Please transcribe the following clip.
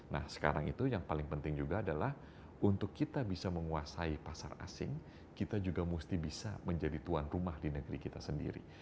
nah sekarang itu yang paling penting juga adalah untuk kita bisa menguasai pasar asing kita juga mesti bisa menjadi tuan rumah di negeri kita sendiri